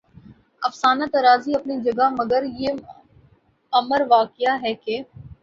افسانہ طرازی اپنی جگہ مگر یہ امر واقعہ ہے کہ